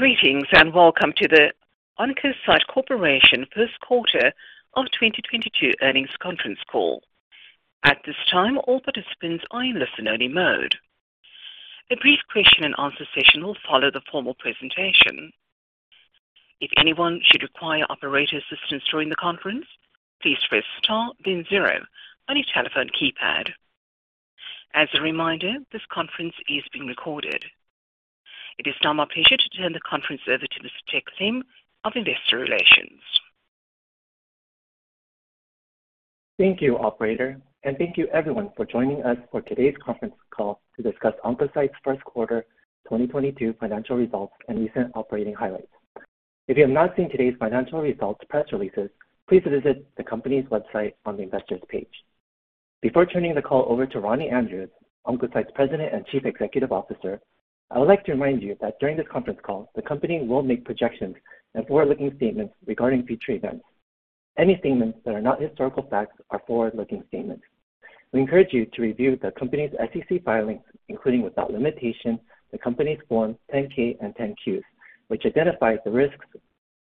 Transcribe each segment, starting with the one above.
Greetings, and welcome to the Oncocyte Corporation first quarter of 2022 earnings conference call. At this time, all participants are in listen-only mode. A brief question-and-answer session will follow the formal presentation. If anyone should require operator assistance during the conference, please press Star then zero on your telephone keypad. As a reminder, this conference is being recorded. It is now my pleasure to turn the conference over to Mr. Tej Singh of Investor Relations. Thank you, operator, and thank you everyone for joining us for today's conference call to discuss Oncocyte's first-quarter 2022 financial results and recent operating highlights. If you have not seen today's financial results press releases, please visit the company's website on the Investors page. Before turning the call over to Ronnie Andrews, Oncocyte's President and Chief Executive Officer, I would like to remind you that during this conference call, the company will make projections and forward-looking statements regarding future events. Any statements that are not historical facts are forward-looking statements. We encourage you to review the company's SEC filings, including, without limitation, the company's Forms 10-K and 10-Qs, which identifies the risks,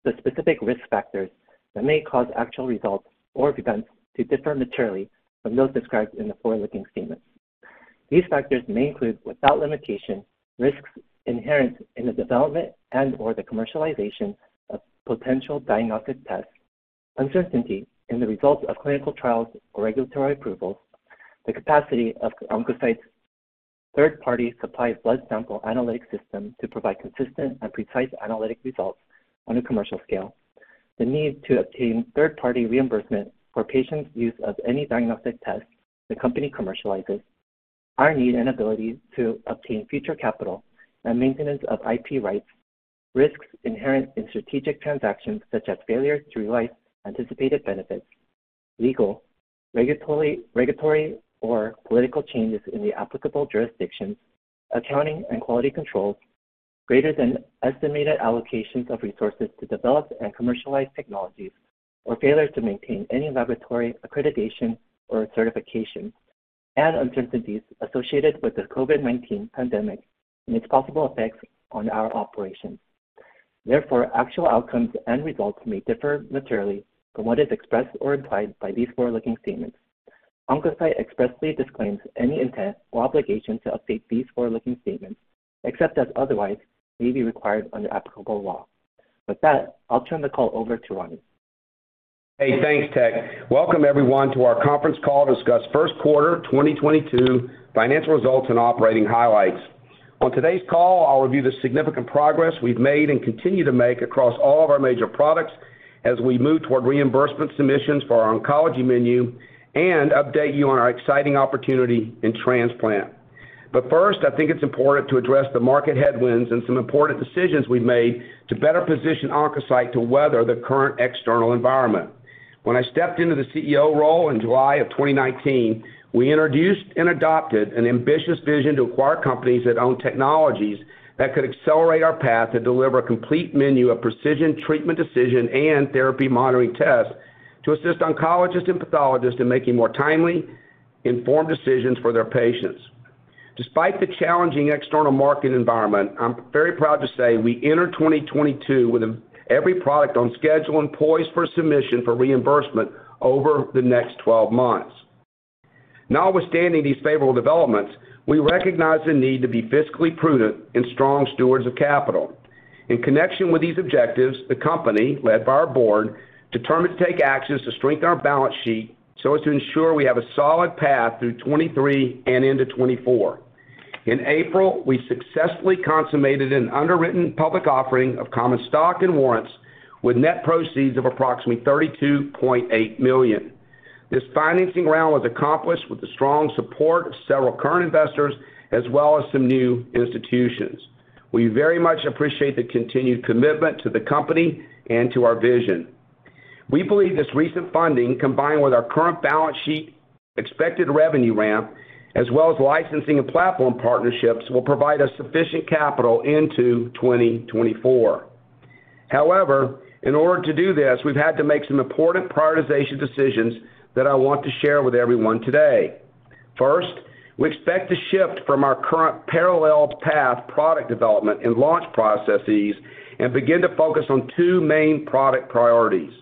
the specific risk factors that may cause actual results or events to differ materially from those described in the forward-looking statements. These factors may include, without limitation, risks inherent in the development and/or the commercialization of potential diagnostic tests, uncertainty in the results of clinical trials or regulatory approvals, the capacity of OncoCyte's third-party supplied blood sample analytic system to provide consistent and precise analytic results on a commercial scale, the need to obtain third-party reimbursement for patients' use of any diagnostic test the company commercializes, our need and ability to obtain future capital and maintenance of IP rights, risks inherent in strategic transactions such as failure to realize anticipated benefits, legal, regulatory or political changes in the applicable jurisdictions, accounting and quality controls, greater than estimated allocations of resources to develop and commercialize technologies, or failure to maintain any laboratory accreditation or certification, and uncertainties associated with the COVID-19 pandemic and its possible effects on our operations. Therefore, actual outcomes and results may differ materially from what is expressed or implied by these forward-looking statements. OncoCyte expressly disclaims any intent or obligation to update these forward-looking statements except as otherwise may be required under applicable law. With that, I'll turn the call over to Ronnie. Hey, thanks, Tej. Welcome everyone to our conference call to discuss first quarter 2022 financial results and operating highlights. On today's call, I'll review the significant progress we've made and continue to make across all of our major products as we move toward reimbursement submissions for our oncology menu and update you on our exciting opportunity in transplant. First, I think it's important to address the market headwinds and some important decisions we've made to better position Oncocyte to weather the current external environment. When I stepped into the CEO role in July of 2019, we introduced and adopted an ambitious vision to acquire companies that own technologies that could accelerate our path to deliver a complete menu of precision treatment decision and therapy monitoring tests to assist oncologists and pathologists in making more timely, informed decisions for their patients. Despite the challenging external market environment, I'm very proud to say we enter 2022 with every product on schedule and poised for submission for reimbursement over the next 12 months. Notwithstanding these favorable developments, we recognize the need to be fiscally prudent and strong stewards of capital. In connection with these objectives, the company, led by our board, determined to take actions to strengthen our balance sheet so as to ensure we have a solid path through 2023 and into 2024. In April, we successfully consummated an underwritten public offering of common stock and warrants with net proceeds of approximately $32.8 million. This financing round was accomplished with the strong support of several current investors as well as some new institutions. We very much appreciate the continued commitment to the company and to our vision. We believe this recent funding, combined with our current balance sheet, expected revenue ramp, as well as licensing and platform partnerships, will provide us sufficient capital into 2024. However, in order to do this, we've had to make some important prioritization decisions that I want to share with everyone today. First, we expect to shift from our current parallel path product development and launch processes and begin to focus on two main product priorities.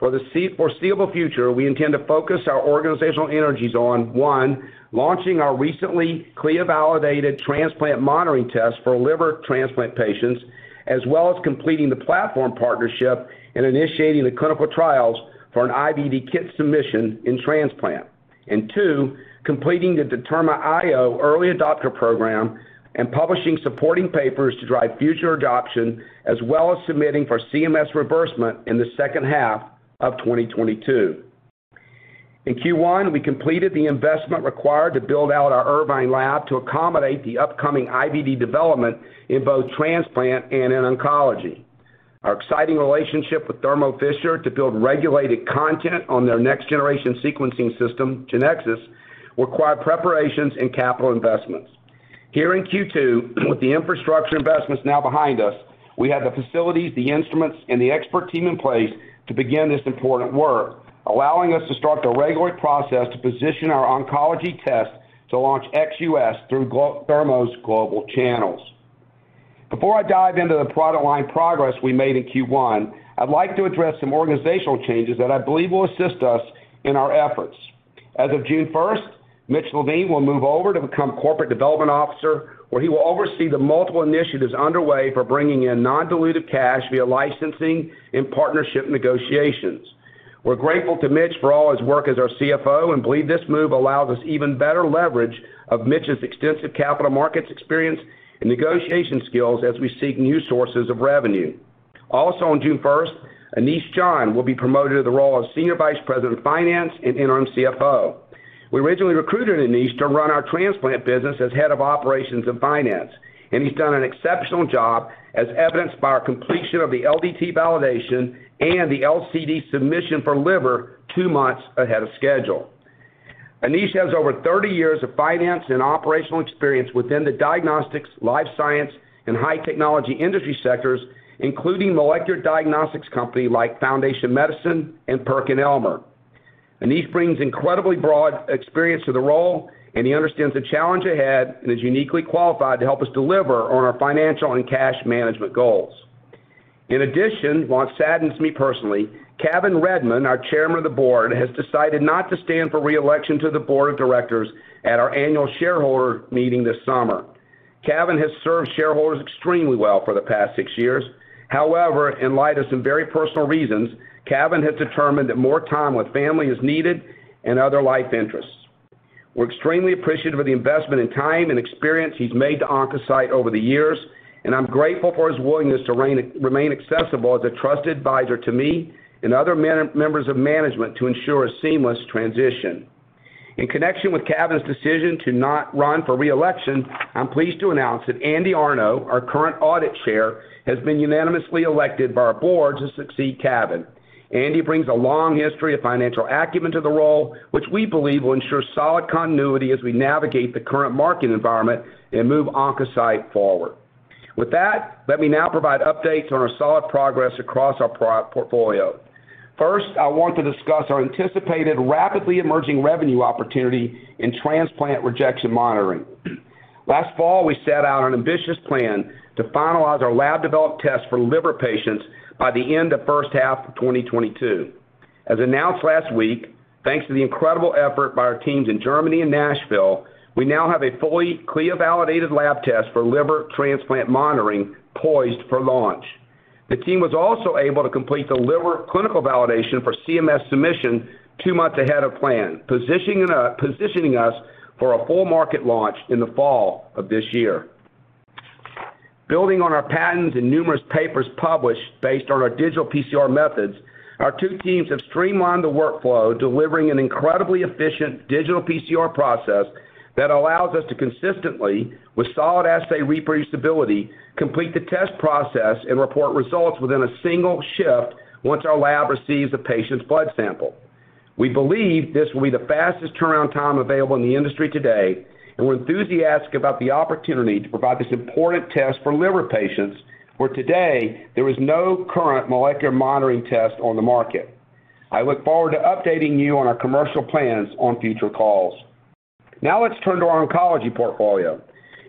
For the foreseeable future, we intend to focus our organizational energies on, one, launching our recently CLIA-validated transplant monitoring test for liver transplant patients, as well as completing the platform partnership and initiating the clinical trials for an IVD kit submission in transplant. Two, completing the DetermaIO early adopter program and publishing supporting papers to drive future adoption, as well as submitting for CMS reimbursement in the second half of 2022. In Q1, we completed the investment required to build out our Irvine lab to accommodate the upcoming IVD development in both transplant and in oncology. Our exciting relationship with Thermo Fisher to build regulated content on their next-generation sequencing system, Genexus, required preparations and capital investments. Here in Q2, with the infrastructure investments now behind us, we have the facilities, the instruments, and the expert team in place to begin this important work, allowing us to start the regulatory process to position our oncology tests to launch ex-US through Thermo’s global channels. Before I dive into the product line progress we made in Q1, I'd like to address some organizational changes that I believe will assist us in our efforts. As of June 1st, Mitch Levine will move over to become Corporate Development Officer, where he will oversee the multiple initiatives underway for bringing in non-dilutive cash via licensing and partnership negotiations. We're grateful to Mitch for all his work as our CFO, and believe this move allows us even better leverage of Mitch's extensive capital markets experience and negotiation skills as we seek new sources of revenue. Also on June 1st, Anish John will be promoted to the role of Senior Vice President of Finance and Interim CFO. We originally recruited Anish to run our transplant business as Head of Operations and Finance, and he's done an exceptional job as evidenced by our completion of the LDT validation and the LCD submission for liver two months ahead of schedule. Anish has over 30 years of finance and operational experience within the diagnostics, life sciences, and high technology industry sectors, including molecular diagnostics companies like Foundation Medicine and PerkinElmer. Anish brings incredibly broad experience to the role, and he understands the challenge ahead and is uniquely qualified to help us deliver on our financial and cash management goals. In addition, while it saddens me personally, Cavan Redmond, our Chairman of the Board, has decided not to stand for re-election to the Board of Directors at our annual shareholder meeting this summer. Cavan has served shareholders extremely well for the past 6 years. However, in light of some very personal reasons, Cavan has determined that more time with family is needed and other life interests. We're extremely appreciative of the investment and time and experience he's made to OncoCyte over the years, and I'm grateful for his willingness to remain accessible as a trusted advisor to me and other members of management to ensure a seamless transition. In connection with Cavan's decision to not run for re-election, I'm pleased to announce that Andy Arno, our current Audit Chair, has been unanimously elected by our board to succeed Cavan. Andy brings a long history of financial acumen to the role, which we believe will ensure solid continuity as we navigate the current market environment and move OncoCyte forward. With that, let me now provide updates on our solid progress across our portfolio. First, I want to discuss our anticipated rapidly emerging revenue opportunity in transplant rejection monitoring. Last fall, we set out an ambitious plan to finalize our lab developed test for liver patients by the end of first half of 2022. As announced last week, thanks to the incredible effort by our teams in Germany and Nashville, we now have a fully CLIA-validated lab test for liver transplant monitoring poised for launch. The team was also able to complete the liver clinical validation for CMS submission two months ahead of plan, positioning us for a full market launch in the fall of this year. Building on our patents and numerous papers published based on our digital PCR methods, our two teams have streamlined the workflow, delivering an incredibly efficient digital PCR process that allows us to consistently, with solid assay reproducibility, complete the test process and report results within a single shift once our lab receives the patient's blood sample. We believe this will be the fastest turnaround time available in the industry today, and we're enthusiastic about the opportunity to provide this important test for liver patients, where today there is no current molecular monitoring test on the market. I look forward to updating you on our commercial plans on future calls. Now let's turn to our oncology portfolio.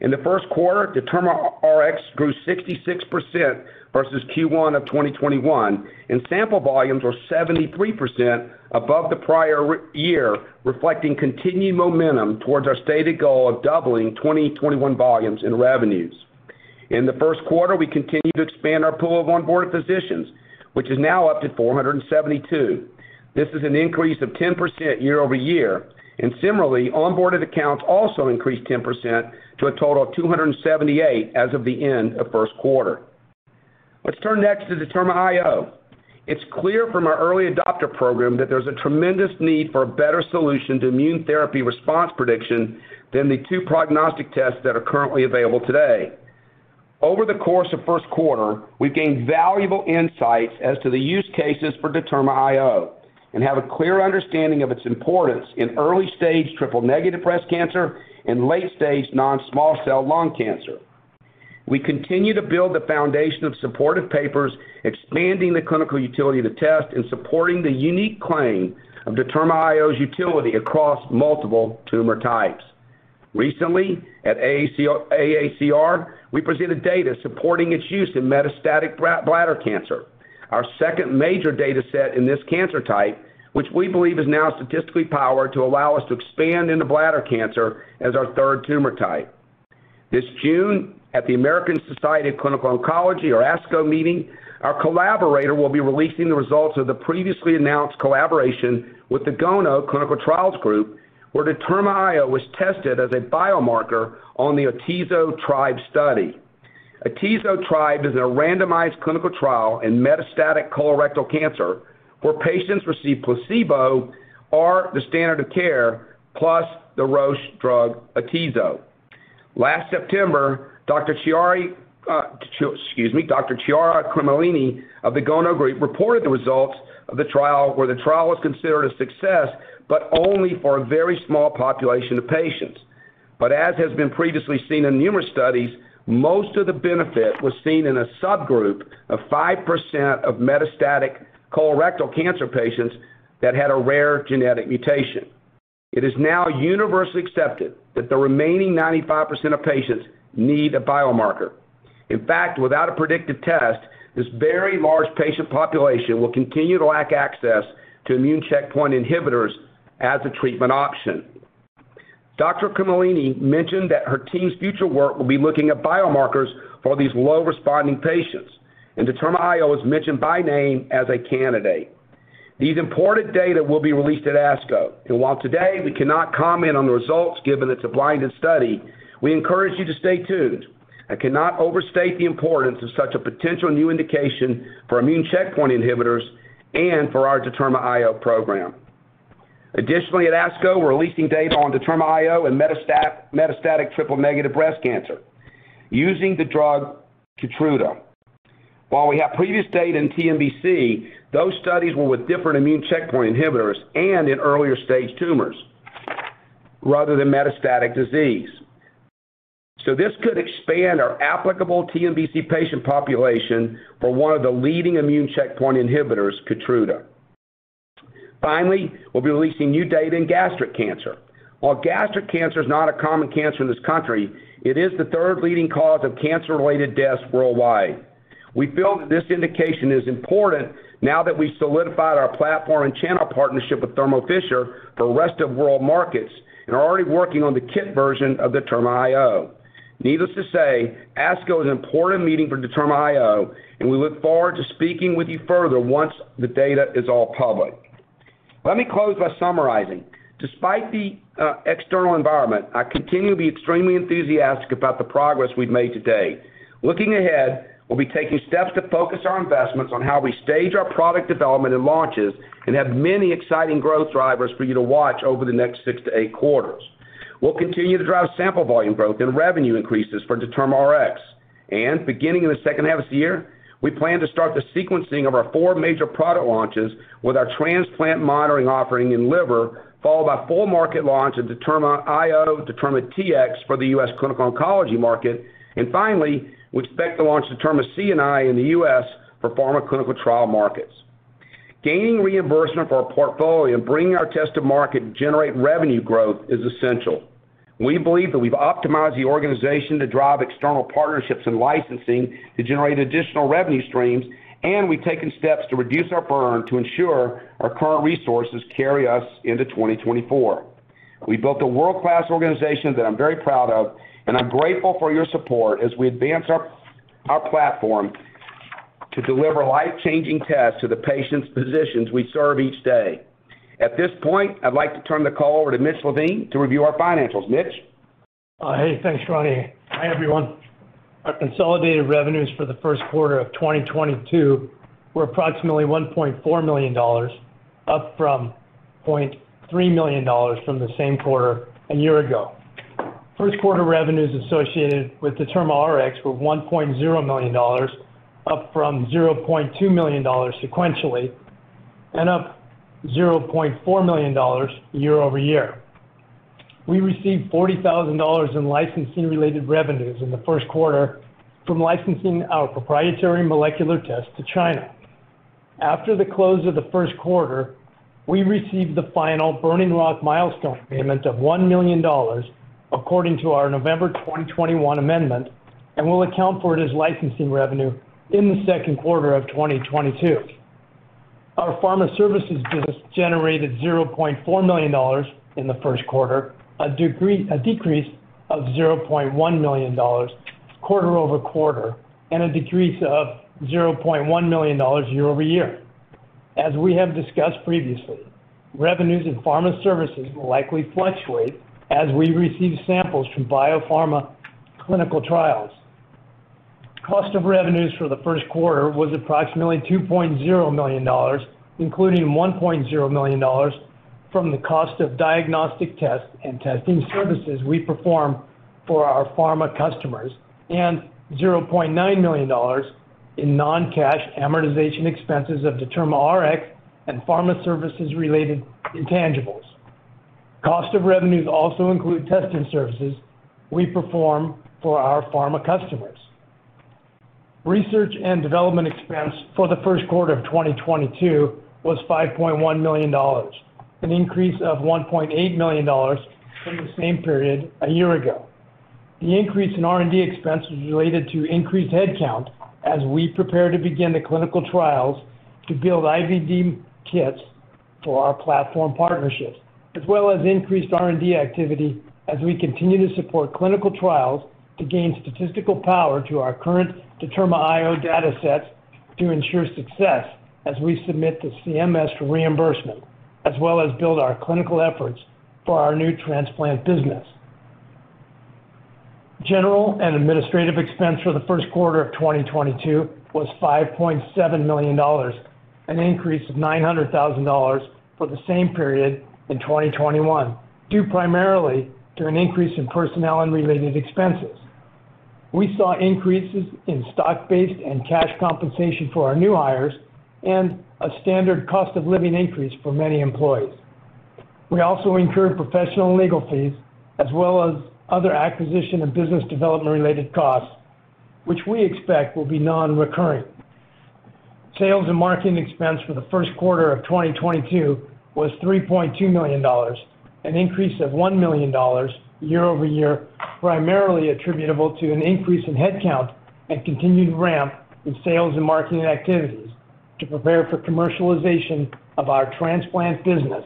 In the first quarter, DetermaRx grew 66% versus Q1 of 2021, and sample volumes were 73% above the prior year, reflecting continued momentum towards our stated goal of doubling 2021 volumes and revenues. In the first quarter, we continued to expand our pool of onboarded physicians, which is now up to 472. This is an increase of 10% year-over-year, and similarly, onboarded accounts also increased 10% to a total of 278 as of the end of first quarter. Let's turn next to DetermaIO. It's clear from our early adopter program that there's a tremendous need for a better solution to immunotherapy response prediction than the two prognostic tests that are currently available today. Over the course of first quarter, we've gained valuable insights as to the use cases for DetermaIO and have a clear understanding of its importance in early-stage triple-negative breast cancer and late-stage non-small cell lung cancer. We continue to build the foundation of supportive papers, expanding the clinical utility of the test and supporting the unique claim of DetermaIO's utility across multiple tumor types. Recently, at AACR, we presented data supporting its use in metastatic bladder cancer, our second major data set in this cancer type, which we believe is now statistically powered to allow us to expand into bladder cancer as our third tumor type. This June, at the American Society of Clinical Oncology or ASCO meeting, our collaborator will be releasing the results of the previously announced collaboration with the GONO Clinical Trials Group, where DetermaIO was tested as a biomarker on the AtezoTRIBE study. AtezoTRIBE is a randomized clinical trial in metastatic colorectal cancer where patients receive placebo or the standard of care plus the Roche drug Atezo. Last September, Dr. Cremolini, Dr. Chiara Cremolini of the GONO Clinical Trials Group reported the results of the trial where the trial was considered a success, but only for a very small population of patients. As has been previously seen in numerous studies, most of the benefit was seen in a subgroup of 5% of metastatic colorectal cancer patients that had a rare genetic mutation. It is now universally accepted that the remaining 95% of patients need a biomarker. In fact, without a predictive test, this very large patient population will continue to lack access to immune checkpoint inhibitors as a treatment option. Dr. Chiara Cremolini mentioned that her team's future work will be looking at biomarkers for these low responding patients, and DetermaIO is mentioned by name as a candidate. These important data will be released at ASCO. While today we cannot comment on the results, given it's a blinded study, we encourage you to stay tuned. I cannot overstate the importance of such a potential new indication for immune checkpoint inhibitors and for our DetermaIO program. Additionally, at ASCO, we're releasing data on DetermaIO and metastatic triple-negative breast cancer using the drug Keytruda. While we have previous data in TNBC, those studies were with different immune checkpoint inhibitors and in earlier stage tumors rather than metastatic disease. This could expand our applicable TNBC patient population for one of the leading immune checkpoint inhibitors, Keytruda. Finally, we'll be releasing new data in gastric cancer. While gastric cancer is not a common cancer in this country, it is the third leading cause of cancer-related deaths worldwide. We feel that this indication is important now that we solidified our platform and channel partnership with Thermo Fisher for rest of world markets and are already working on the kit version of DetermaIO. Needless to say, ASCO is an important meeting for DetermaIO, and we look forward to speaking with you further once the data is all public. Let me close by summarizing. Despite the external environment, I continue to be extremely enthusiastic about the progress we've made today. Looking ahead, we'll be taking steps to focus our investments on how we stage our product development and launches and have many exciting growth drivers for you to watch over the next six to eight quarters. We'll continue to drive sample volume growth and revenue increases for DetermaRx. Beginning in the second half of this year, we plan to start the sequencing of our four major product launches with our transplant monitoring offering in liver, followed by full market launch of DetermaIO, DetermaTx for the U.S. clinical oncology market. Finally, we expect to launch DetermaCNI in the U.S. for pharma clinical trial markets. Gaining reimbursement for our portfolio and bringing our test to market and generate revenue growth is essential. We believe that we've optimized the organization to drive external partnerships and licensing to generate additional revenue streams, and we've taken steps to reduce our burn to ensure our current resources carry us into 2024. We built a world-class organization that I'm very proud of, and I'm grateful for your support as we advance our platform to deliver life-changing tests to the patients, physicians we serve each day. At this point, I'd like to turn the call over to Mitch Levine to review our financials. Mitch? Hey, thanks, Ronnie. Hi, everyone. Our consolidated revenues for the first quarter of 2022 were approximately $1.4 million, up from $0.3 million from the same quarter a year ago. First quarter revenues associated with DetermaRx were $1.0 million, up from $0.2 million sequentially, and up $0.4 million year-over-year. We received $40,000 in licensing-related revenues in the first quarter from licensing our proprietary molecular test to China. After the close of the first quarter, we received the final Burning Rock milestone payment of $1 million according to our November 2021 amendment and will account for it as licensing revenue in the second quarter of 2022. Our pharma services business generated $0.4 million in the first quarter, a decrease of $0.1 million quarter-over-quarter, and a decrease of $0.1 million year-over-year. As we have discussed previously, revenues in pharma services will likely fluctuate as we receive samples from biopharma clinical trials. Cost of revenues for the first quarter was approximately $2.0 million, including $1.0 million from the cost of diagnostic tests and testing services we perform for our pharma customers and $0.9 million in non-cash amortization expenses of DetermaRx and pharma services-related intangibles. Cost of revenues also include testing services we perform for our pharma customers. Research and development expense for the first quarter of 2022 was $5.1 million, an increase of $1.8 million from the same period a year ago. The increase in R&D expense was related to increased headcount as we prepare to begin the clinical trials to build IVD kits for our platform partnerships, as well as increased R&D activity as we continue to support clinical trials to gain statistical power to our current DetermaIO datasets to ensure success as we submit to CMS for reimbursement, as well as build our clinical efforts for our new transplant business. General and administrative expense for the first quarter of 2022 was $5.7 million, an increase of $900,000 for the same period in 2021, due primarily to an increase in personnel and related expenses. We saw increases in stock-based and cash compensation for our new hires and a standard cost of living increase for many employees. We also incurred professional legal fees as well as other acquisition and business development related costs, which we expect will be non-recurring. Sales and marketing expense for the first quarter of 2022 was $3.2 million, an increase of $1 million year-over-year, primarily attributable to an increase in headcount and continued ramp in sales and marketing activities to prepare for commercialization of our transplant business,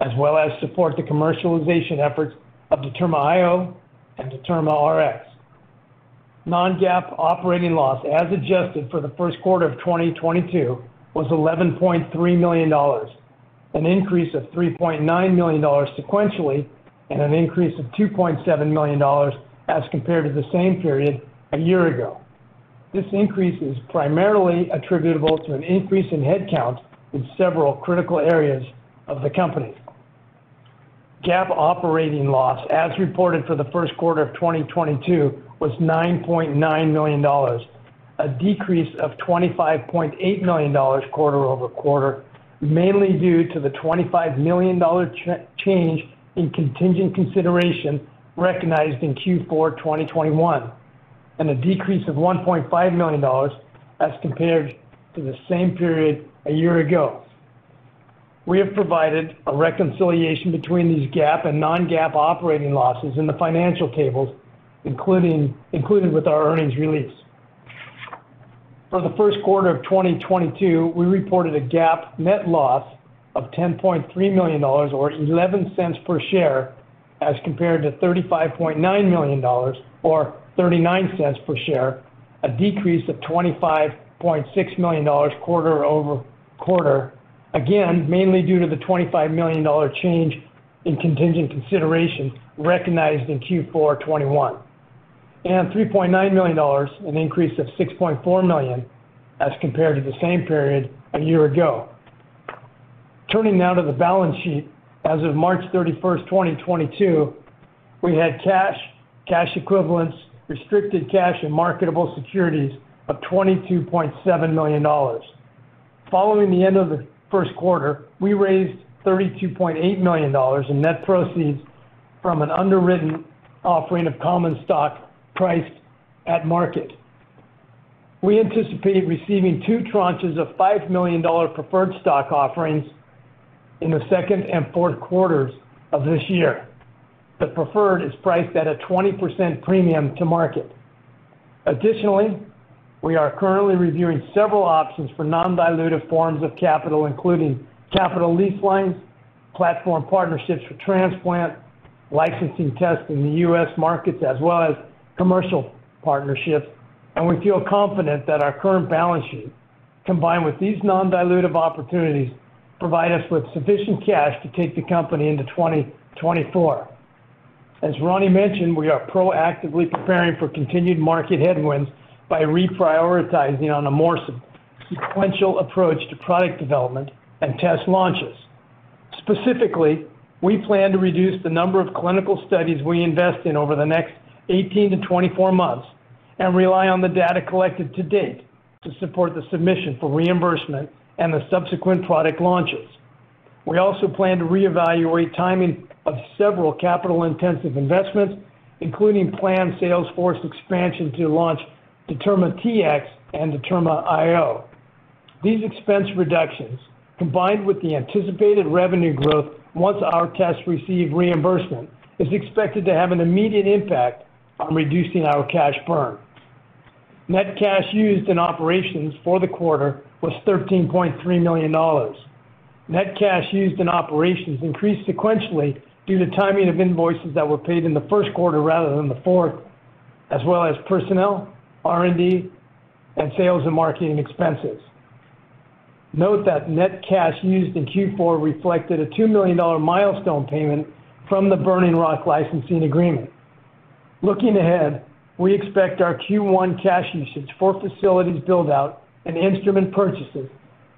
as well as support the commercialization efforts of DetermaIO and DetermaRx. Non-GAAP operating loss, as adjusted for the first quarter of 2022, was $11.3 million, an increase of $3.9 million sequentially, and an increase of $2.7 million as compared to the same period a year ago. This increase is primarily attributable to an increase in headcount in several critical areas of the company. GAAP operating loss as reported for the first quarter of 2022 was $9.9 million, a decrease of $25.8 million quarter-over-quarter, mainly due to the $25 million change in contingent consideration recognized in Q4 2021, and a decrease of $1.5 million as compared to the same period a year ago. We have provided a reconciliation between these GAAP and non-GAAP operating losses in the financial tables, including with our earnings release. For the first quarter of 2022, we reported a GAAP net loss of $10.3 million or $0.11 per share as compared to $35.9 million or $0.39 per share, a decrease of $25.6 million quarter-over-quarter. Again, mainly due to the $25 million change in contingent consideration recognized in Q4 2021. $3.9 million An increase of $6.4 million as compared to the same period a year ago. Turning now to the balance sheet. As of March 31, 2022, we had cash equivalents, restricted cash and marketable securities of $22.7 million. Following the end of the first quarter, we raised $32.8 million in net proceeds from an underwritten offering of common stock priced at market. We anticipate receiving two tranches of $5 million preferred stock offerings in the second and fourth quarters of this year. The preferred is priced at a 20% premium to market. Additionally, we are currently reviewing several options for non-dilutive forms of capital, including capital lease lines, platform partnerships for transplant, licensing tests in the U.S. markets as well as commercial partnerships. We feel confident that our current balance sheet, combined with these non-dilutive opportunities, provide us with sufficient cash to take the company into 2024. As Ronnie mentioned, we are proactively preparing for continued market headwinds by reprioritizing on a more sequential approach to product development and test launches. Specifically, we plan to reduce the number of clinical studies we invest in over the next 18-24 months and rely on the data collected to date to support the submission for reimbursement and the subsequent product launches. We also plan to reevaluate timing of several capital intensive investments, including planned sales force expansion to launch DetermaTx and DetermaIO. These expense reductions, combined with the anticipated revenue growth once our tests receive reimbursement, is expected to have an immediate impact on reducing our cash burn. Net cash used in operations for the quarter was $13.3 million. Net cash used in operations increased sequentially due to timing of invoices that were paid in the first quarter rather than the fourth, as well as personnel, R&D and sales and marketing expenses. Note that net cash used in Q4 reflected a $2 million milestone payment from the Burning Rock licensing agreement. Looking ahead, we expect our Q1 cash usage for facilities build out and instrument purchases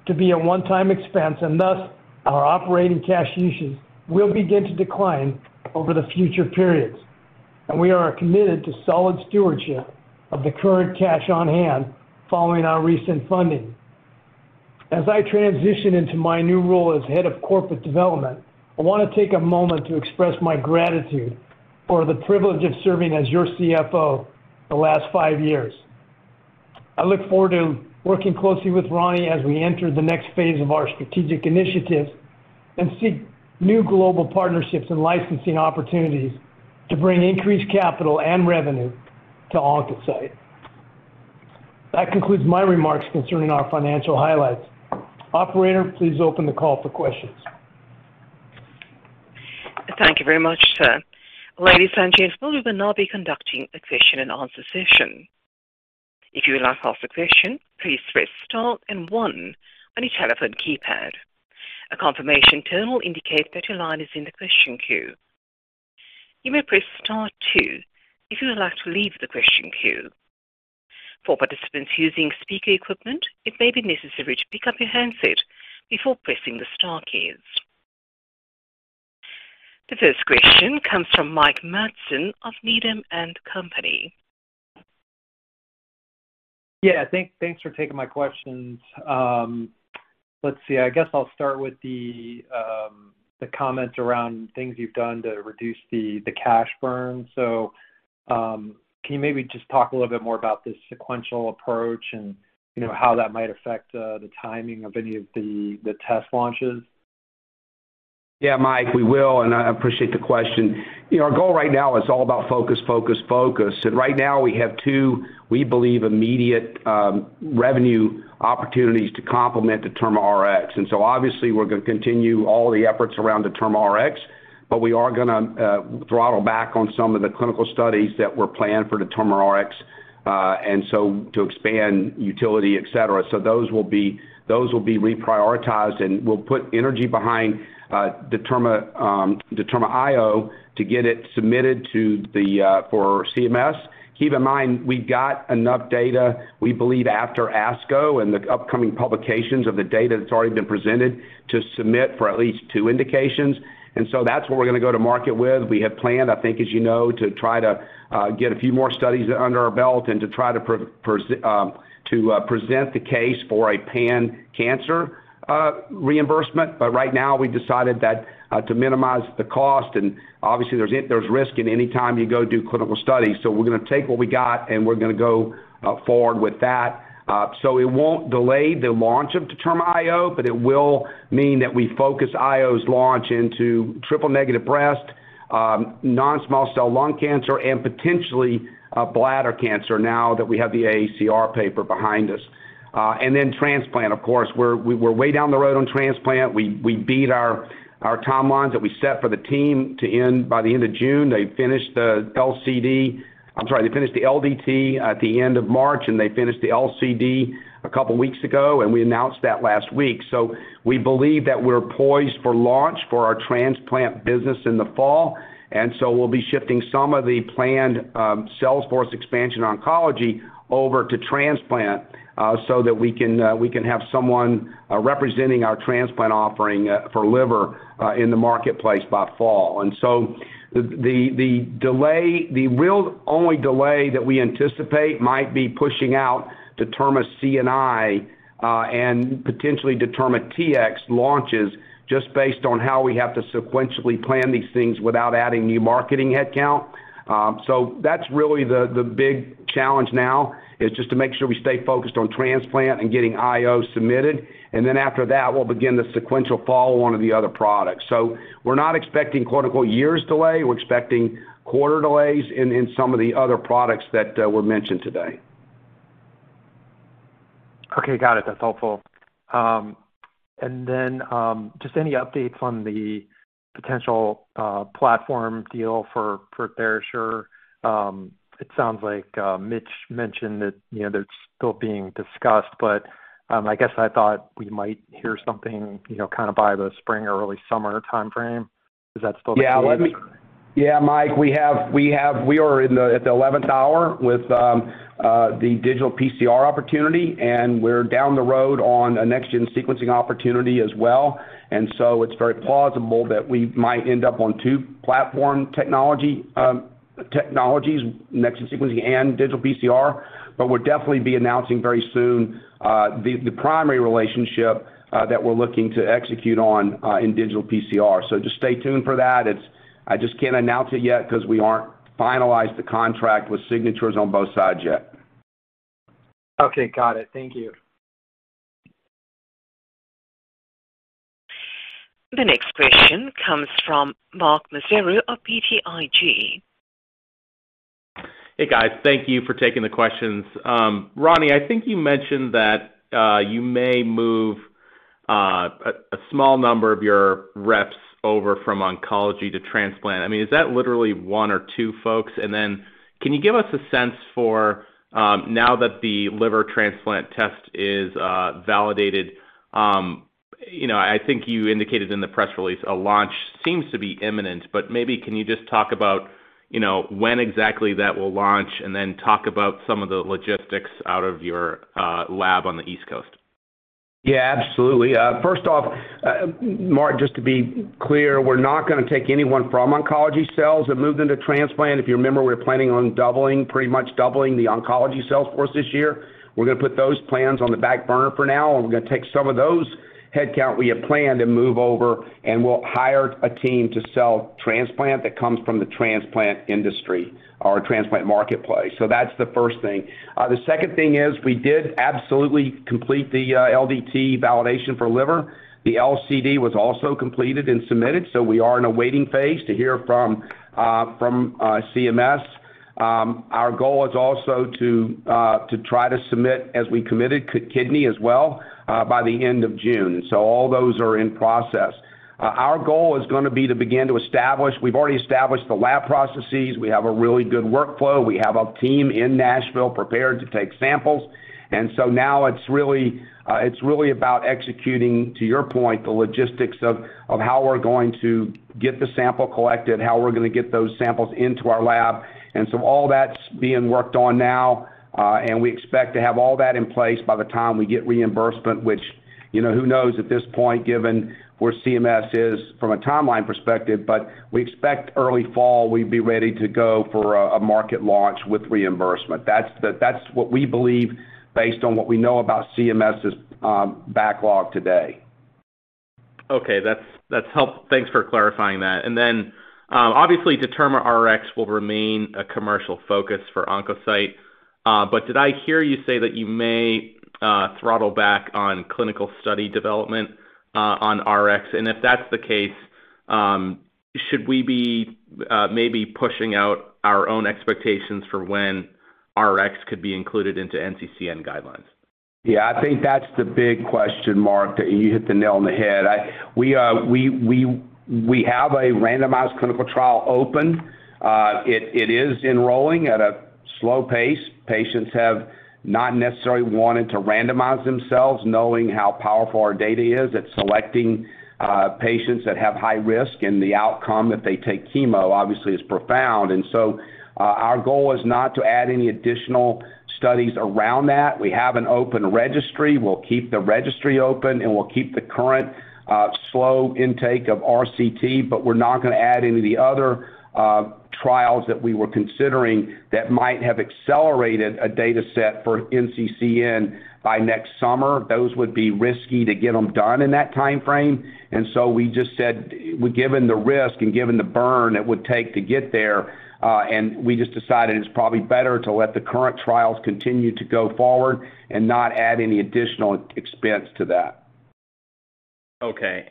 to be a one-time expense, and thus our operating cash usage will begin to decline over the future periods. We are committed to solid stewardship of the current cash on hand following our recent funding. As I transition into my new role as Head of Corporate Development, I want to take a moment to express my gratitude for the privilege of serving as your CFO the last five years. I look forward to working closely with Ronnie Andrews as we enter the next phase of our strategic initiatives and seek new global partnerships and licensing opportunities to bring increased capital and revenue to Insight Molecular Diagnostics. That concludes my remarks concerning our financial highlights. Operator, please open the call for questions. Thank you very much, sir. Ladies and gentlemen, we will now be conducting a question-and-answer session. If you would like to ask a question, please press star and one on your telephone keypad. A confirmation tone will indicate that your line is in the question queue. You may press star two if you would like to leave the question queue. For participants using speaker equipment, it may be necessary to pick up your handset before pressing the star keys. The first question comes from Mike Matson of Needham & Company. Thanks for taking my questions. Let's see. I guess I'll start with the comment around things you've done to reduce the cash burn. Can you maybe just talk a little bit more about the sequential approach and, you know, how that might affect the timing of any of the test launches? Yeah, Mike, we will, and I appreciate the question. You know, our goal right now is all about focus, focus. Right now we have two, we believe, immediate revenue opportunities to complement DetermaRx. Obviously we're gonna continue all the efforts around DetermaRx, but we are gonna throttle back on some of the clinical studies that were planned for DetermaRx, and so to expand utility, et cetera. Those will be reprioritized, and we'll put energy behind DetermaIO to get it submitted for CMS. Keep in mind, we've got enough data, we believe after ASCO and the upcoming publications of the data that's already been presented to submit for at least two indications. That's what we're gonna go to market with. We have planned, I think as you know, to try to get a few more studies under our belt and to try to present the case for a pan-cancer reimbursement. Right now we decided that to minimize the cost, and obviously there's risk anytime you go do clinical studies. We're gonna take what we got, and we're gonna go forward with that. It won't delay the launch of DetermaIO, but it will mean that we focus DetermaIO's launch into triple-negative breast cancer, non-small cell lung cancer and potentially bladder cancer now that we have the AACR paper behind us. Transplant, of course, we were way down the road on transplant. We beat our timelines that we set for the team to end by the end of June. They finished the LCD. I'm sorry, they finished the LDT at the end of March, and they finished the LCD a couple weeks ago, and we announced that last week. We believe that we're poised for launch for our transplant business in the fall. We'll be shifting some of the planned sales force expansion oncology over to transplant, so that we can have someone representing our transplant offering for liver in the marketplace by fall. The real only delay that we anticipate might be pushing out DetermaCNI and potentially DetermaTx launches, just based on how we have to sequentially plan these things without adding new marketing headcount. That's really the big challenge now is just to make sure we stay focused on transplant and getting IO submitted. After that, we'll begin the sequential follow-on of the other products. We're not expecting quote-unquote years delay. We're expecting quarter delays in some of the other products that were mentioned today. Okay. Got it. That's helpful. Just any updates on the potential platform deal for TheraSure? It sounds like Mitch mentioned that, you know, they're still being discussed, but I guess I thought we might hear something, you know, kinda by the spring or early summer timeframe. Is that still the case? Yeah. Mike, we are at the 11th hour with the digital PCR opportunity, and we're down the road on a next gen sequencing opportunity as well. It's very plausible that we might end up on two platform technologies, next sequencing and digital PCR. We'll definitely be announcing very soon the primary relationship that we're looking to execute on in digital PCR. Just stay tuned for that. I just can't announce it yet 'cause we aren't finalized the contract with signatures on both sides yet. Okay. Got it. Thank you. The next question comes from Mark Massaro of BTIG. Hey, guys. Thank you for taking the questions. Ronnie, I think you mentioned that you may move a small number of your reps over from oncology to transplant. I mean, is that literally one or two folks? Then can you give us a sense for now that the liver transplant test is validated, you know, I think you indicated in the press release a launch seems to be imminent, but maybe can you just talk about, you know, when exactly that will launch and then talk about some of the logistics out of your lab on the east coast? Yeah, absolutely. First off, Mark, just to be clear, we're not gonna take anyone from oncology sales and move them to transplant. If you remember, we're planning on doubling, pretty much doubling the oncology sales force this year. We're gonna put those plans on the back burner for now, and we're gonna take some of those headcount we have planned and move over, and we'll hire a team to sell transplant that comes from the transplant industry or transplant marketplace. So that's the first thing. The second thing is we did absolutely complete the LDT validation for liver. The LCD was also completed and submitted, so we are in a waiting phase to hear from CMS. Our goal is also to try to submit, as we committed, kidney as well by the end of June. All those are in process. Our goal is gonna be to begin to establish. We've already established the lab processes. We have a really good workflow. We have a team in Nashville prepared to take samples. Now it's really about executing, to your point, the logistics of how we're going to get the sample collected, how we're gonna get those samples into our lab. All that's being worked on now, and we expect to have all that in place by the time we get reimbursement. You know, who knows at this point, given where CMS is from a timeline perspective, but we expect early fall we'd be ready to go for a market launch with reimbursement. That's what we believe based on what we know about CMS's backlog today. Okay. That's helpful. Thanks for clarifying that. Obviously DetermaRx will remain a commercial focus for OncoCyte. Did I hear you say that you may throttle back on clinical study development on Rx? If that's the case, should we be maybe pushing out our own expectations for when Rx could be included into NCCN guidelines? Yeah. I think that's the big question mark. You hit the nail on the head. We have a randomized clinical trial open. It is enrolling at a slow pace. Patients have not necessarily wanted to randomize themselves, knowing how powerful our data is at selecting patients that have high risk, and the outcome that they take chemo obviously is profound. Our goal is not to add any additional studies around that. We have an open registry. We'll keep the registry open, and we'll keep the current slow intake of RCT, but we're not gonna add any of the other trials that we were considering that might have accelerated a data set for NCCN by next summer. Those would be risky to get them done in that timeframe. We just said given the risk and given the burn it would take to get there, and we just decided it's probably better to let the current trials continue to go forward and not add any additional expense to that. Okay.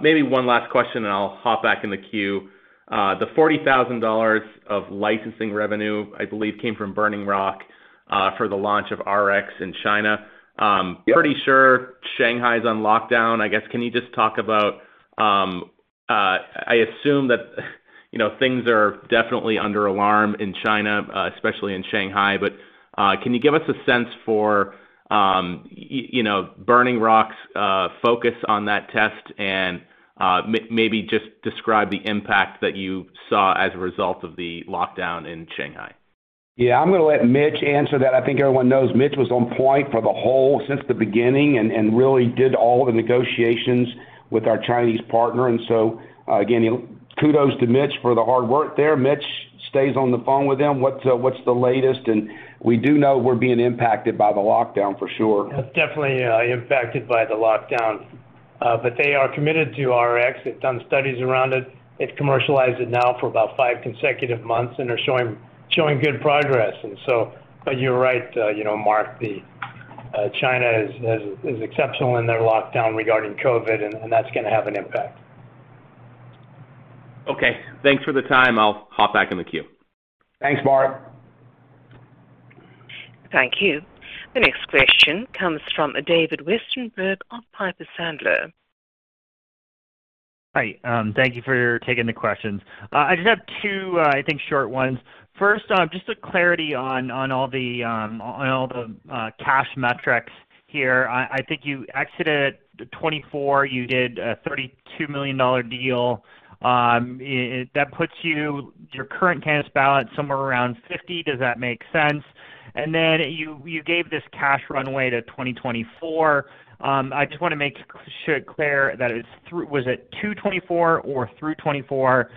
Maybe one last question, and I'll hop back in the queue. The $40,000 of licensing revenue, I believe, came from Burning Rock, for the launch of Rx in China. Yep. Pretty sure Shanghai is on lockdown. I guess, can you just talk about, I assume that, you know, things are definitely on alert in China, especially in Shanghai. Can you give us a sense for, you know, Burning Rock's focus on that test and, maybe just describe the impact that you saw as a result of the lockdown in Shanghai? Yeah, I'm going to let Mitch answer that. I think everyone knows Mitch was on point for the whole since the beginning and really did all the negotiations with our Chinese partner. Again, kudos to Mitch for the hard work there. Mitch stays on the phone with them. What's the latest? We do know we're being impacted by the lockdown for sure. Yeah, definitely impacted by the lockdown. They are committed to Rx. They've done studies around it. They've commercialized it now for about five consecutive months and are showing good progress. You're right, you know, Mark. China is exceptional in their lockdown regarding COVID, and that's gonna have an impact. Okay, thanks for the time. I'll hop back in the queue. Thanks, Mark. Thank you. The next question comes from David Westenberg of Piper Sandler. Hi. Thank you for taking the questions. I just have two, I think short ones. First off, just a clarity on all the cash metrics here. I think you exited 2024, you did a $32 million deal. That puts your current cash balance somewhere around $50. Does that make sense? You gave this cash runway to 2024. I just wanna make sure clear that it's through. Was it to 2024 or through 2024?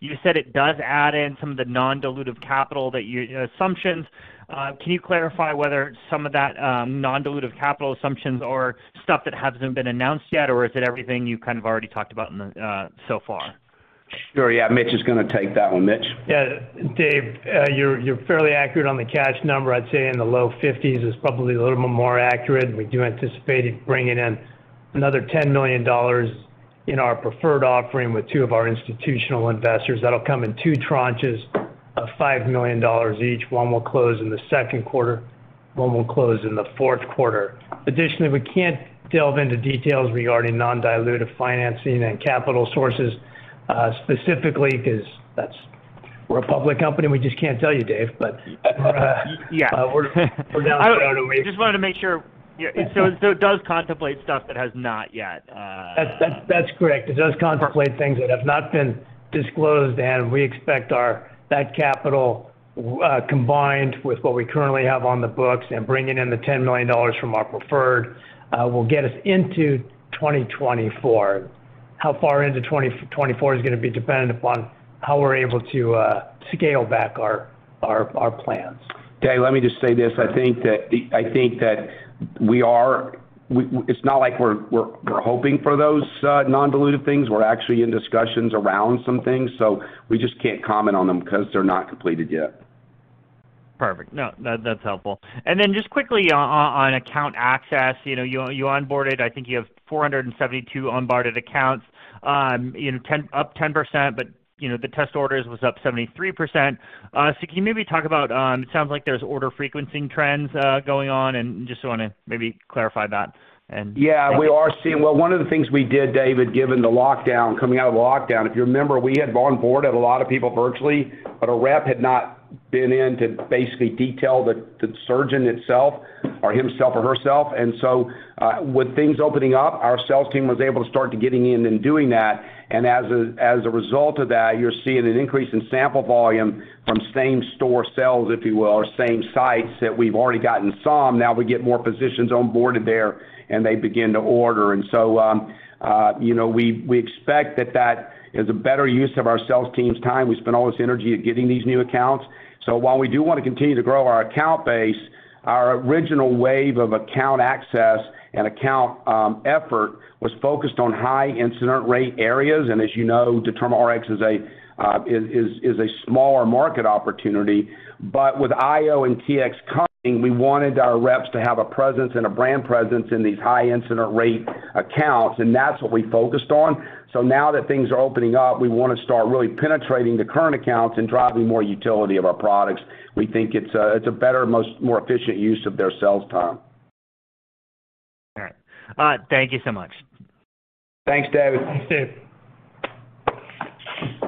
You said it does add in some of the non-dilutive capital assumptions. Can you clarify whether some of that non-dilutive capital assumptions are stuff that hasn't been announced yet, or is it everything you kind of already talked about so far? Sure, yeah. Mitch is gonna take that one. Mitch. David, you're fairly accurate on the cash number. I'd say in the low fifties is probably a little more accurate. We do anticipate it bringing in another $10 million in our preferred offering with two of our institutional investors. That'll come in two tranches of $5 million each. One will close in the second quarter, one will close in the fourth quarter. Additionally, we can't delve into details regarding non-dilutive financing and capital sources, specifically 'cause that's. We're a public company, we just can't tell you, David. Yeah. We're not allowed to. I just wanted to make sure. It does contemplate stuff that has not yet. That's correct. It does contemplate things that have not been disclosed, and we expect that capital, combined with what we currently have on the books and bringing in the $10 million from our preferred, will get us into 2024. How far into 2024 is gonna be dependent upon how we're able to scale back our plans. David, let me just say this. I think that we are. It's not like we're hoping for those non-dilutive things. We're actually in discussions around some things, so we just can't comment on them 'cause they're not completed yet. Perfect. No, that's helpful. Then just quickly on account access. You know, you onboarded, I think you have 472 onboarded accounts, you know, up 10%, but, you know, the test orders was up 73%. Can you maybe talk about, it sounds like there's order frequency trends going on, and just wanna maybe clarify that and- Yeah. We are seeing. Well, one of the things we did, David, given the lockdown, coming out of the lockdown, if you remember, we had onboarded a lot of people virtually, but a rep had not been in to basically detail the surgeon itself or himself or herself. With things opening up, our sales team was able to start getting in and doing that. As a result of that, you're seeing an increase in sample volume from same-store sales, if you will, or same sites that we've already gotten some. Now we get more physicians onboarded there, and they begin to order. You know, we expect that that is a better use of our sales team's time. We spend all this energy at getting these new accounts. While we do wanna continue to grow our account base, our original wave of account access and effort was focused on high incidence rate areas. As you know, DetermaRx is a smaller market opportunity. With IO and TX coming, we wanted our reps to have a presence and a brand presence in these high incidence rate accounts, and that's what we focused on. Now that things are opening up, we wanna start really penetrating the current accounts and driving more utility of our products. We think it's a better, more efficient use of their sales time. All right. Thank you so much. Thanks, David. Thanks, Dave.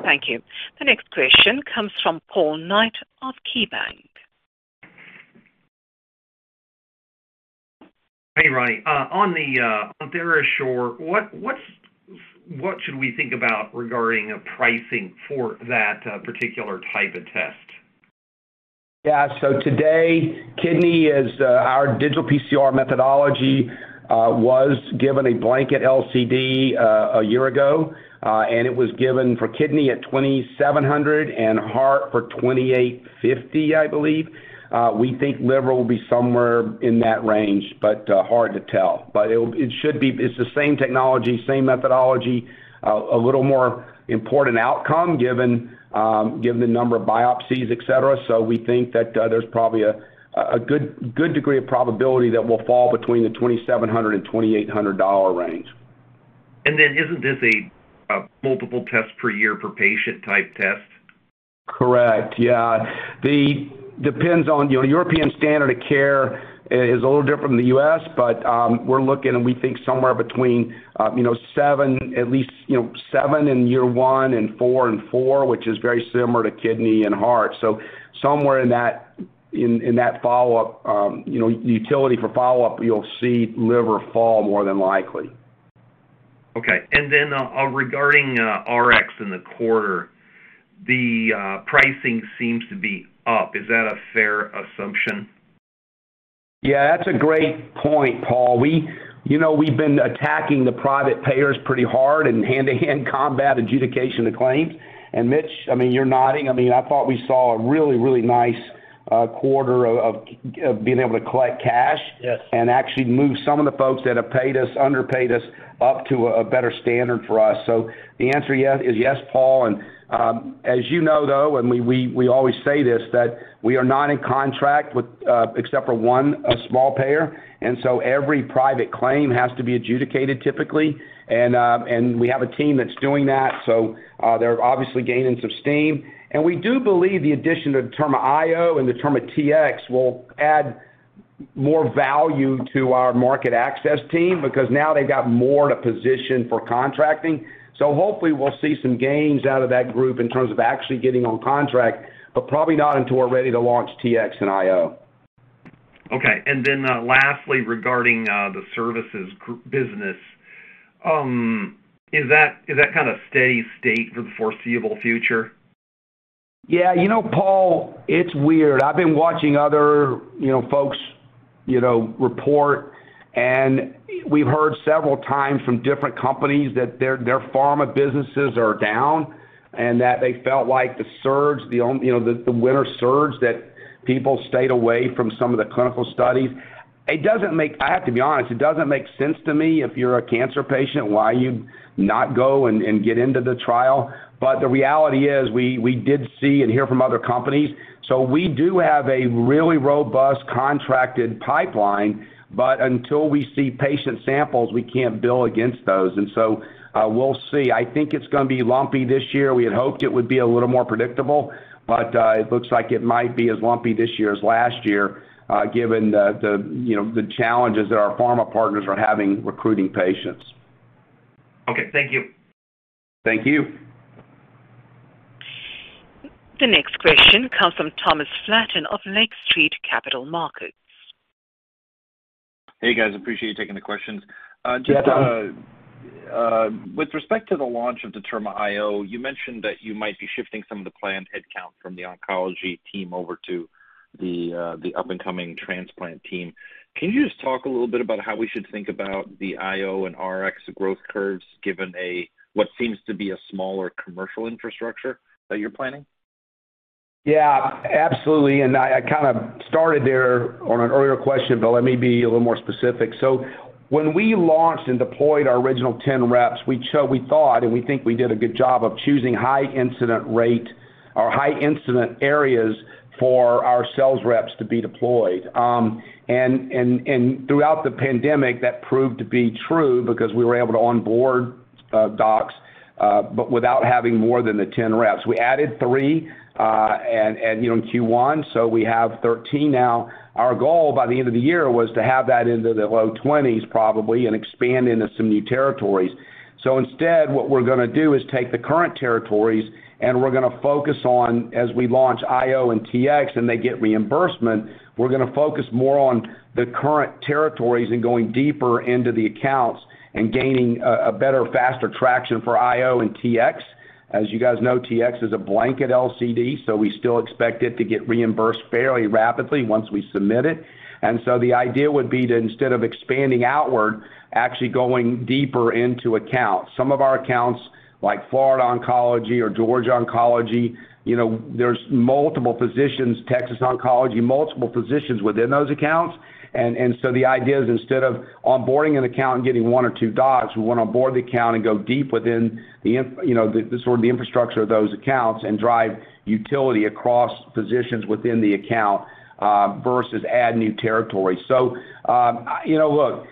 Thank you. The next question comes from Paul Knight of KeyBanc. Hey, Ryan. On the TheraSure, what should we think about regarding pricing for that particular type of test? Yeah. Today, kidney is our digital PCR methodology was given a blanket LCD a year ago, and it was given for kidney at $2,700 and heart for $2,850, I believe. We think liver will be somewhere in that range, but hard to tell. But it's the same technology, same methodology, a little more important outcome given given the number of biopsies, et cetera. We think that there's probably a good degree of probability that we'll fall between the $2,700 and $2,800 dollar range. Isn't this a multiple test per year per patient type test? Correct. Yeah. That depends on, you know, European standard of care is a little different than the U.S., but we're looking and we think somewhere between, you know, seven at least, you know, seven in year one and four, which is very similar to kidney and heart. Somewhere in that follow-up, you know, utility for follow-up, you'll see liver follow more than likely. Okay. Regarding Rx in the quarter, the pricing seems to be up. Is that a fair assumption? Yeah, that's a great point, Paul. We, we've been attacking the private payers pretty hard and hand-to-hand combat adjudication the claims. Mitch, I mean, you're nodding. I mean, I thought we saw a really nice quarter of being able to collect cash. Yes. Actually move some of the folks that have underpaid us up to a better standard for us. The answer, yeah, is yes, Paul. As you know, though, we always say this, that we are not in contract with, except for one, a small payer, and every private claim has to be adjudicated typically. We have a team that's doing that, so they're obviously gaining some steam. We do believe the addition of DetermaIO and DetermaTx will add more value to our market access team because now they've got more in a position for contracting. Hopefully we'll see some gains out of that group in terms of actually getting on contract, but probably not until we're ready to launch TX and IO. Okay. Lastly, regarding the services group business, is that kinda steady state for the foreseeable future? Yeah, you know, Paul, it's weird. I've been watching other, you know, folks, you know, report, and we've heard several times from different companies that their pharma businesses are down and that they felt like the surge, you know, the winter surge that people stayed away from some of the clinical studies. I have to be honest, it doesn't make sense to me if you're a cancer patient, why you'd not go and get into the trial. The reality is, we did see and hear from other companies. We do have a really robust contracted pipeline, but until we see patient samples, we can't bill against those. We'll see. I think it's gonna be lumpy this year. We had hoped it would be a little more predictable, but it looks like it might be as lumpy this year as last year, given the you know, the challenges that our pharma partners are having recruiting patients. Okay. Thank you. Thank you. The next question comes from Thomas Flaten of Lake Street Capital Markets. Hey, guys. Appreciate you taking the questions. Yeah, Tom. Just, with respect to the launch of DetermaIO, you mentioned that you might be shifting some of the planned headcount from the oncology team over to the up-and-coming transplant team. Can you just talk a little bit about how we should think about the DetermaIO and DetermaRx growth curves given what seems to be a smaller commercial infrastructure that you're planning? Yeah, absolutely. I kinda started there on an earlier question, but let me be a little more specific. When we launched and deployed our original 10 reps, we thought, and we think we did a good job of choosing high incidence rate or high incidence areas for our sales reps to be deployed. Throughout the pandemic, that proved to be true because we were able to onboard docs, but without having more than the 10 reps. We added three, you know, in Q1, we have 13 now. Our goal by the end of the year was to have that into the low 20s probably and expand into some new territories. Instead what we're gonna do is take the current territories, and we're gonna focus on, as we launch IO and TX and they get reimbursement, we're gonna focus more on the current territories and going deeper into the accounts and gaining a better, faster traction for IO and TX. As you guys know, TX is a blanket LCD, so we still expect it to get reimbursed fairly rapidly once we submit it. The idea would be instead of expanding outward, actually going deeper into accounts. Some of our accounts, like Florida Cancer Specialists or Georgia Cancer Specialists, you know, there's multiple physicians, Texas Oncology, multiple physicians within those accounts. The idea is instead of onboarding an account and getting one or two docs, we wanna onboard the account and go deep within the account. You know, the sort of infrastructure of those accounts and drive utility across positions within the account versus add new territory. You know, look,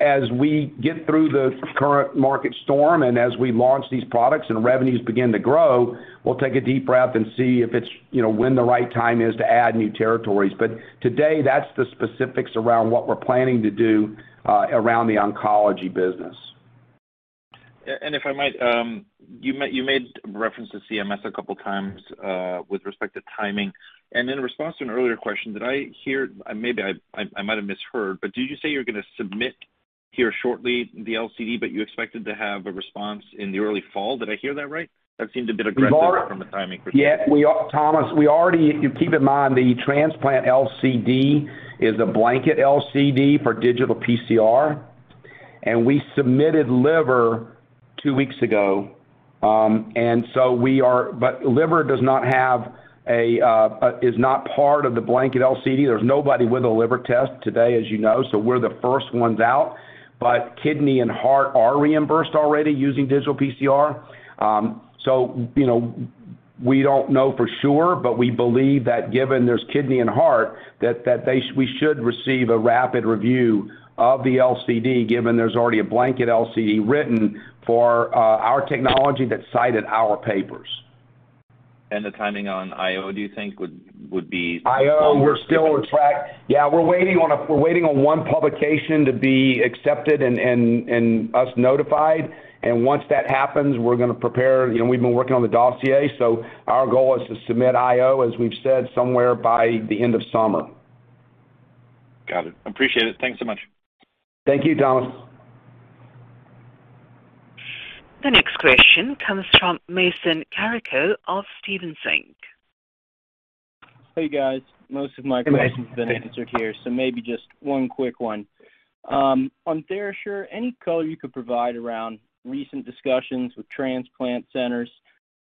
as we get through the current market storm and as we launch these products and revenues begin to grow, we'll take a deep breath and see if it's, you know, when the right time is to add new territories. Today, that's the specifics around what we're planning to do around the oncology business. If I might, you made reference to CMS a couple of times with respect to timing. In response to an earlier question, did I hear, maybe I might have misheard, but did you say you're gonna submit here shortly the LCD, but you expected to have a response in the early fall? Did I hear that right? That seemed a bit aggressive from a timing perspective. Thomas Flaten, if you keep in mind, the transplant LCD is a blanket LCD for digital PCR, and we submitted liver two weeks ago, but liver does not have a, is not part of the blanket LCD. There's nobody with a liver test today, as you know, so we're the first ones out. Kidney and heart are reimbursed already using digital PCR. You know, we don't know for sure, but we believe that given there's kidney and heart, we should receive a rapid review of the LCD, given there's already a blanket LCD written for our technology that cited our papers. The timing on IO, do you think would be similar to this? DetermaIO, we're still on track. Yeah, we're waiting on one publication to be accepted and us notified. Once that happens, we're gonna prepare. You know, we've been working on the dossier, so our goal is to submit DetermaIO, as we've said, somewhere by the end of summer. Got it. Appreciate it. Thanks so much. Thank you, Thomas. The next question comes from Mason Carrico of Stephens Inc. Hey, guys. Most of my questions. Hey, Mason Have been answered here. Maybe just one quick one. On TheraSure, any color you could provide around recent discussions with transplant centers,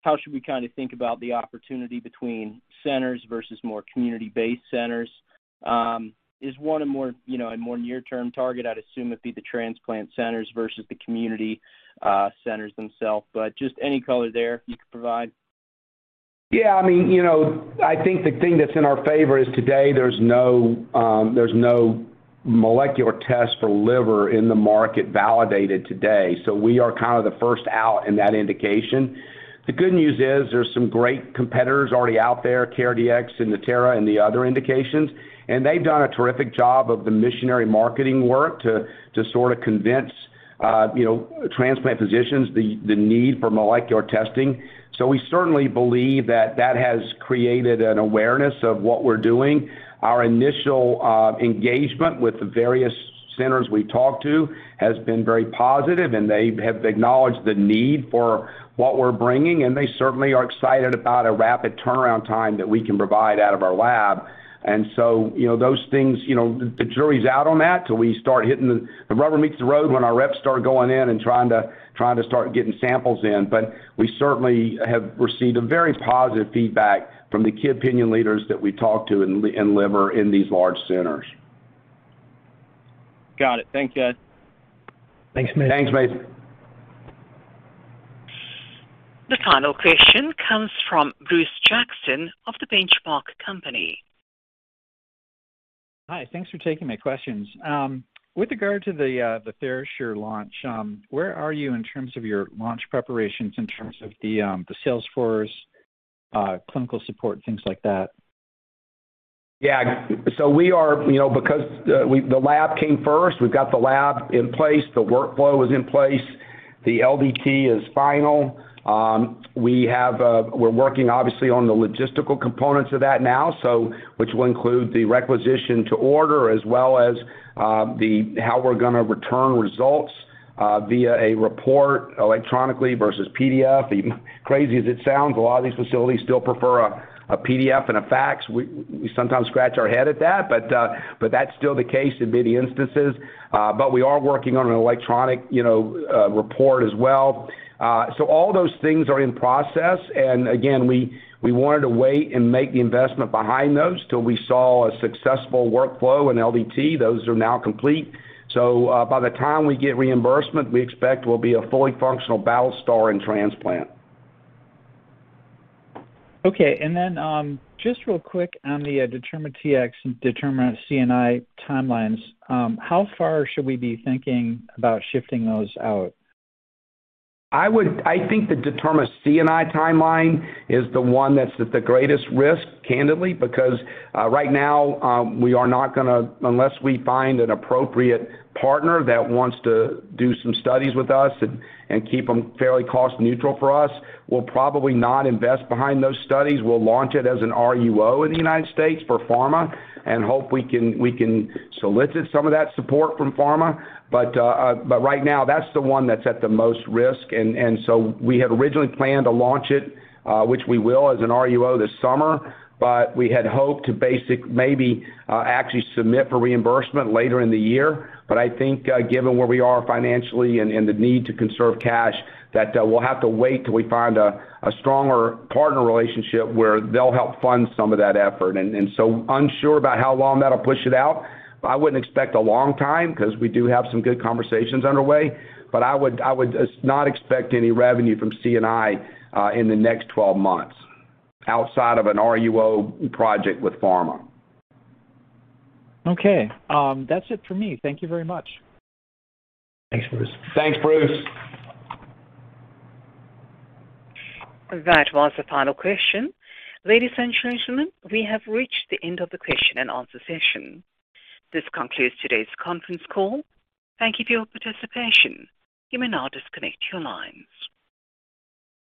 how should we kind of think about the opportunity between centers versus more community-based centers? Is one a more, you know, a more near-term target? I'd assume it'd be the transplant centers versus the community centers themselves. Just any color there you could provide. Yeah. I mean, you know, I think the thing that's in our favor is today there's no molecular test for liver in the market validated today. We are kind of the first out in that indication. The good news is there's some great competitors already out there, CareDx, Natera, and the other indications, and they've done a terrific job of the missionary marketing work to sort of convince transplant physicians the need for molecular testing. We certainly believe that has created an awareness of what we're doing. Our initial engagement with the various centers we talked to has been very positive, and they have acknowledged the need for what we're bringing, and they certainly are excited about a rapid turnaround time that we can provide out of our lab. you know, those things, you know, the jury's out on that till we start hitting the. The rubber meets the road when our reps start going in and trying to start getting samples in. But we certainly have received a very positive feedback from the key opinion leaders that we talked to in liver in these large centers. Got it. Thanks, Ed. Thanks, Mason. Thanks, Mason. The final question comes from Bruce Jackson of The Benchmark Company. Hi, thanks for taking my questions. With regard to the TheraSure launch, where are you in terms of your launch preparations in terms of the sales force, clinical support, things like that? Yeah. We are, you know, the lab came first, we've got the lab in place, the workflow is in place, the LDT is final. We have, we're working obviously on the logistical components of that now, which will include the requisition to order as well as the how we're gonna return results via a report electronically versus PDF. Even crazy as it sounds, a lot of these facilities still prefer a PDF and a fax. We sometimes scratch our head at that, but that's still the case in many instances. But we are working on an electronic, you know, report as well. All those things are in process. Again, we wanted to wait and make the investment behind those till we saw a successful workflow in LDT. Those are now complete. By the time we get reimbursement, we expect we'll be a fully functional battle star in transplant. Okay. Just real quick on the DetermaTx and DetermaCNI timelines, how far should we be thinking about shifting those out? I think the DetermaCNI timeline is the one that's at the greatest risk, candidly, because right now we are not gonna unless we find an appropriate partner that wants to do some studies with us and keep them fairly cost neutral for us, we'll probably not invest behind those studies. We'll launch it as an RUO in the United States for pharma and hope we can solicit some of that support from pharma. Right now, that's the one that's at the most risk. We had originally planned to launch it, which we will as an RUO this summer, but we had hoped to maybe actually submit for reimbursement later in the year. I think, given where we are financially and the need to conserve cash, that we'll have to wait till we find a stronger partner relationship where they'll help fund some of that effort. I am unsure about how long that'll push it out, but I wouldn't expect a long time 'cause we do have some good conversations underway. I would not expect any revenue from CNI in the next 12 months outside of an RUO project with pharma. Okay. That's it for me. Thank you very much. Thanks, Bruce. Thanks, Bruce. That was the final question. Ladies and gentlemen, we have reached the end of the question-and-answer session. This concludes today's conference call. Thank you for your participation. You may now disconnect your lines.